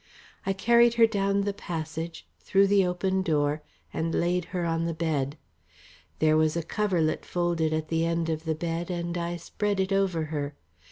I carried her down the passage, through the open door and laid her on the bed. There was a coverlet folded at the end of the bed and I spread it over her.